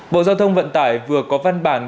bộ giao thông vận tải vừa có văn bản